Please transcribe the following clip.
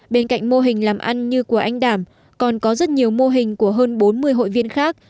bên cạnh mô hình làm ăn như của anh đảm còn có rất nhiều mô hình của hơn bốn mươi hội viên khác